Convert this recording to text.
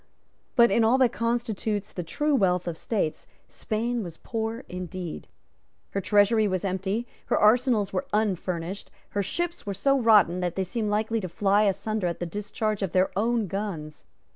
But, in all that constitutes the true wealth of states, Spain was poor indeed. Her treasury was empty; her arsenals were unfurnished; her ships were so rotten that they seemed likely to fly asunder at the discharge of their own guns.